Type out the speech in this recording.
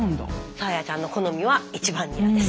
さあやちゃんの好みは１番ニラです。